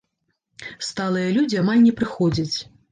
Сталыя людзі амаль не прыходзяць.